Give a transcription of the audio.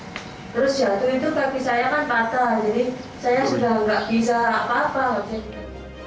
terus jatuh itu kaki saya kan patah jadi saya sudah nggak bisa apa apa